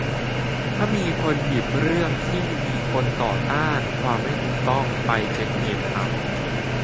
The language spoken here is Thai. ถ้ามีคนหยิบเรื่องที่มีคนต่อต้านความไม่ถูกต้องไปเป็นเหตุทำ